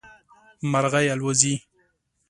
مرغی الوزي